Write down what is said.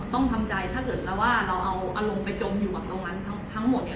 ต้องทำใจถ้าเกิดเราว่าเราเอาอารมณ์ไปจมอยู่กับตรงนั้นทั้งหมดเนี่ย